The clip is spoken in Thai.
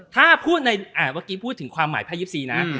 เมื่อกี้พูดถึงความหมายไภ๒๔นะ